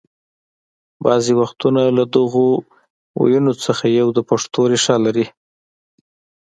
بعضې وختونه له دغو ويونو څخه یو د پښتو ریښه لري